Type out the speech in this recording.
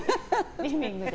リビングで。